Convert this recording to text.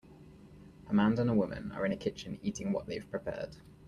A man and a woman are in a kitchen eating what they have prepared.